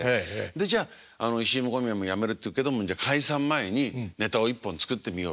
でじゃあ石井も小宮もやめるって言うけども解散前にネタを１本作ってみようと。